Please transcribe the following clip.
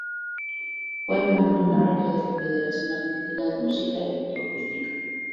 Fue miembro honorario de la Federación Argentina de Música electroacústica.